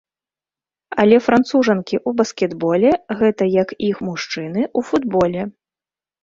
Але францужанкі ў баскетболе, гэта як іх мужчыны ў футболе.